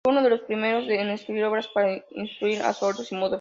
Fue uno de los primeros en escribir obras para instruir a sordos y mudos.